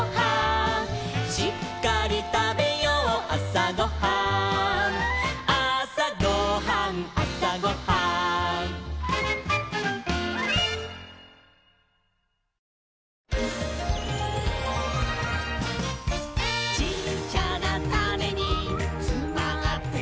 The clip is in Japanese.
「しっかりたべようあさごはん」「あさごはんあさごはん」「ちっちゃなタネにつまってるんだ」